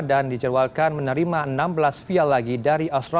dan dijerwalkan menerima enam belas